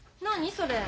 それ。